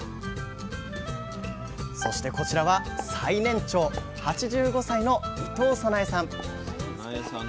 そしてこちらは最年長８５歳の伊藤さなゑさん。